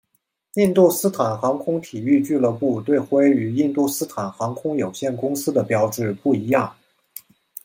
印度斯坦航空体育俱乐部队徽与印度斯坦航空有限公司的标志不一样。